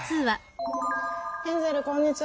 ヘンゼルこんにちは。